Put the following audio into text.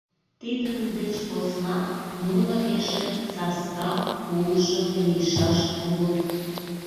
— Тидын деч посна нуно эше саскам пуышо лийшаш улыт?